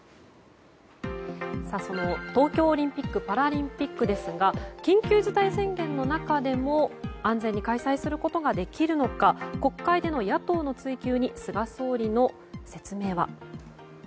その東京オリンピック・パラリンピックですが緊急事態宣言の中でも安全に開催することができるのか国会での野党の追及に菅総理の説明は。